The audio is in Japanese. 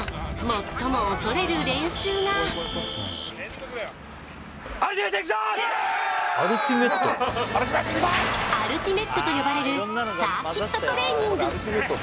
そしてアルティメットと呼ばれるサーキットトレーニング